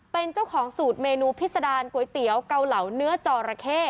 เป็นเจ้าของสูตรเมนูพิษดารก๋วยเตี๋ยวเกาเหลาเนื้อจอระเข้